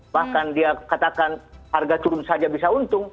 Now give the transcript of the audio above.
bahkan dia katakan harga turun saja bisa untung